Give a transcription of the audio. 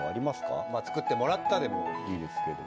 まあ作ってもらったでもいいですけど。